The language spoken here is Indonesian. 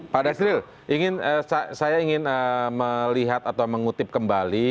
pak asril ingin saya ingin melihat atau mengutip kembali